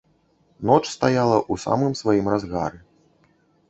Ноч стаяла ў самым сваім разгары.